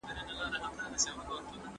دغه فکر اکثره وخت بدي پايلي لري.